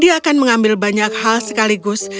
dia akan mengambil banyak hal sekaligus